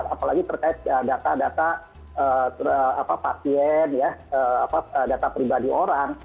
apalagi terkait data data pasien data pribadi orang